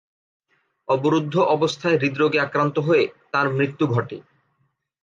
অবরুদ্ধ অবস্থায় হৃদরোগে আক্রান্ত হয়ে তাঁর মৃত্যু ঘটে।